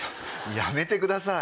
やめてください。